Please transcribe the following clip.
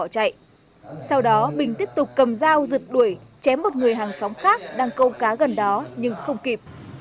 chém một người hàng xóm khác đang câu cá gần đó nhưng không kịp